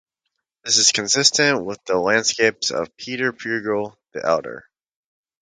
This is consistent with the landscapes of Pieter Bruegel the Elder.